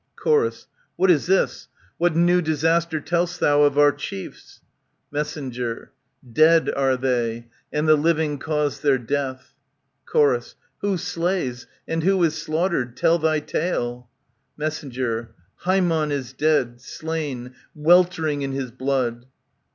CSor, What is this ? What new disaster tell'st thou of our chiefs ? Mess, Dead are they, and the living cause their death. Chr\ Who slays, and who is slaughtered ? Tell thy tale. Mess. Harmon is dead, slain, weltering in his blood.